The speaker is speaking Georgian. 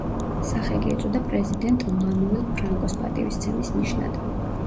სახელი ეწოდა პრეზიდენტ მანუელ ფრანკოს პატივისცემის ნიშნად.